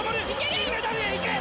金メダルへいけ！